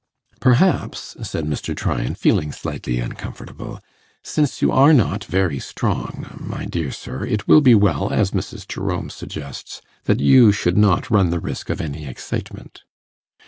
'Perhaps,' said Mr. Tryan, feeling slightly uncomfortable, 'since you are not very strong, my dear sir, it will be well, as Mrs. Jerome suggests, that you should not run the risk of any excitement.